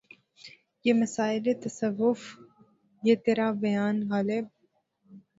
یہ مسائل تصوف یہ ترا بیان غالبؔ